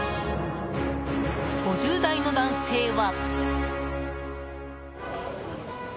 ５０代の男性は。